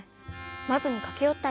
まどにかけよったり。